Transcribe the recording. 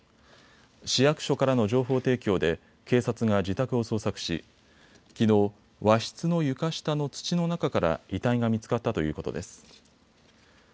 市役所からの情報提供で警察が自宅を捜索しきのう和室の床下の土の中から遺体が見つかったということです。